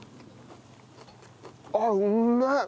あっうめえ！